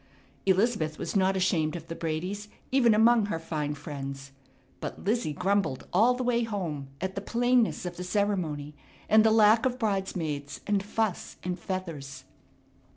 Elizabeth was not ashamed of the Bradys even among her fine friends. But Lizzie grumbled all the way home at the plainness of the ceremony, and the lack of bridesmaids and fuss and feathers.